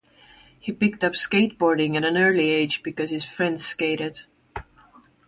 He picked up skateboarding at an early age because his friends skated.